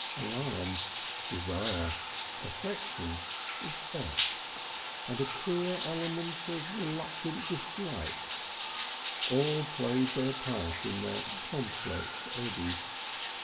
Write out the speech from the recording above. Alarm, desire, affection, respect and a queer element of reluctant dislike all played their part in that complex eddy.